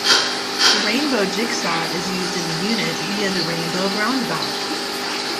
The Rainbow Jigsaw is used in the unit via the Rainbow Roundabout.